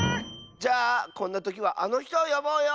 じゃあこんなときはあのひとをよぼうよ！